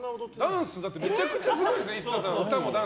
ダンスめちゃくちゃすごいですよ。